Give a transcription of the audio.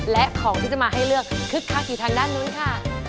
และของที่จะมาให้เลือกคึกคักอยู่ทางด้านนู้นค่ะ